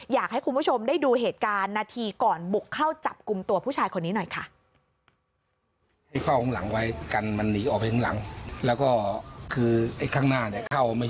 อยากให้คุณผู้ชมได้ดูเหตุการณ์นาทีก่อนบุกเข้าจับกลุ่มตัวผู้ชายคนนี้หน่อยค่ะ